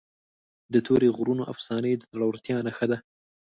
د تورې غرونو افسانې د زړورتیا نښه ده.